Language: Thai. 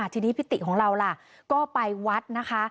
ทีนี้พิติของเราล่ะก็ไปวัดนะคะ